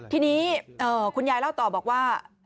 ทีนี้คุณยายเล่าต่อบอกว่า